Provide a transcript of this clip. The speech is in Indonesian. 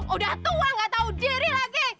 udah tua gak tahu diri lagi